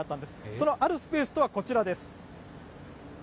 そのあるスペースとはこちらです。